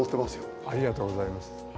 ありがとうございます。